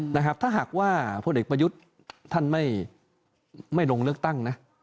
นะครับถ้าหากว่าพลเอกประยุทธ์ท่านไม่ลงเลือกตั้งนะ